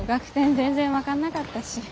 全然分かんなかったし。